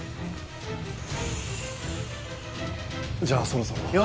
じゃあそろそろ。